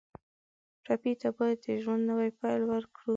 ټپي ته باید د ژوند نوی پیل ورکړو.